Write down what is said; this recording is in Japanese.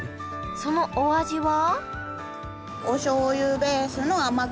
そのお味は？